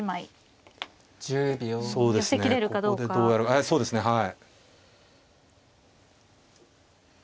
ええそうですねはい。